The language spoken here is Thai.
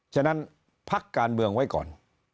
ฉะนั้นพักการเมืองไว้ก่อน